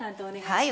はい。